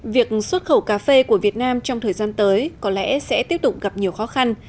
việc xuất khẩu cà phê của việt nam trong thời gian tới có lẽ sẽ tiếp tục gặp nhiều khó khăn